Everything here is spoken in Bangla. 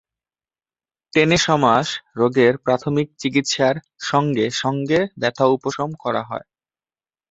টেনেসমাস রোগের প্রাথমিক চিকিৎসার সঙ্গে সঙ্গে ব্যথা উপশম করা হয়।